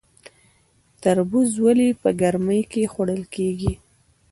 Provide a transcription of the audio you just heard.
تربوز ولې په ګرمۍ کې خوړل کیږي؟